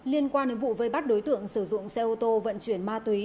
liên quan đến vụ vây bắt đối tượng sử dụng xe ô tô vận chuyển ma túy